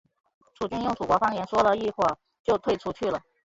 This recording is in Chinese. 楚军用楚国方言说了一会就退出去了。